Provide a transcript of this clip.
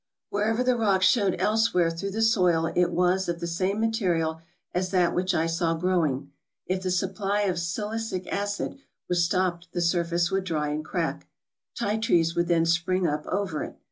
Wherever the rock showed elsewhere through the soil it was of the same material as that which I saw growing. If the supply of silicic acid was stopped the surface would dry and crack. Ti trees would then spring up over it.